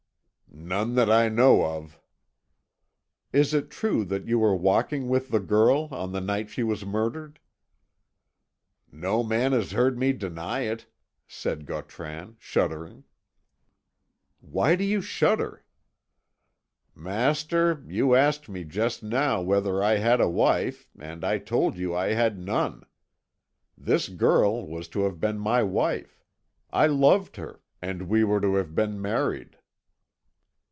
"None that I know of." "Is it true that you were walking with the girl on the night she was murdered?" "No man has heard me deny it," said Gautran, shuddering. "Why do you shudder?" "Master, you asked me just now whether I had a wife, and I told you I had none. This girl was to have been my wife. I loved her, and we were to have been married."